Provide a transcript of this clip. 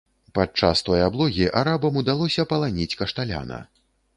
Падчас той аблогі арабам удалося паланіць кашталяна.